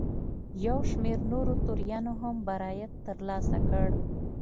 یو شمېر نورو توریانو هم برائت ترلاسه کړ.